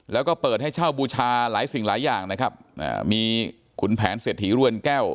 แล้วก็เปิดให้เช่าบูชาหลายสิ่งหลายอย่างนะครับมีขุนแผนเศรษฐีรวนแก้ว